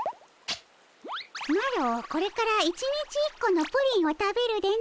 マロこれから１日１個のプリンを食べるでの。